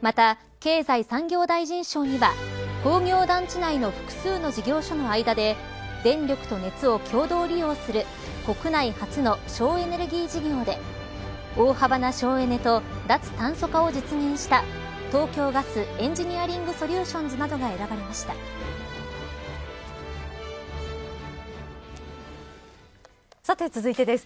また経済産業大臣賞には工業団地内の複数の事業所の間で電力と熱を共同利用する国内初の省エネルギー事業で大幅な省エネと脱炭素化を実現した東京ガスエンジニアリングソリューションズなどがさて、続いてです。